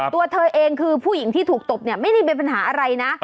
ตัวเธอเองคือผู้หญิงที่ถูกตบเนี่ยไม่ได้มีปัญหาอะไรนะ